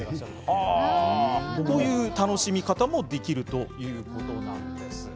こういう楽しみ方もできるということなんです。